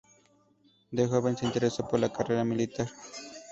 De joven se interesó por la carrera militar.